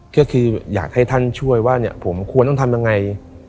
ก็คืออยากให้ท่านช่วยว่าเนี่ยผมควรต้องทำยังไง